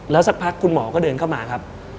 สักพักคุณหมอก็เดินเข้ามาครับ